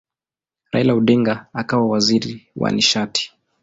Raila Odinga akawa waziri wa nishati.